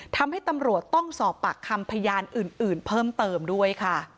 ทำให้ตำรวจต้องสอบปากคำพยานอื่นเพิ่มเติมด้วยค่ะ